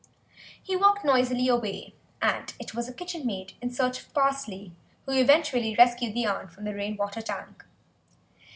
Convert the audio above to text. He walked noisily away, and it was a kitchenmaid, in search of parsley, who eventually rescued the aunt from the rain water tank.